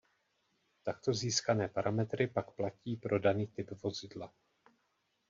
Takto získané parametry pak platí pro daný typ vozidla.